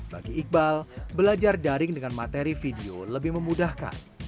bagi iqbal belajar daring dengan materi video lebih memudahkan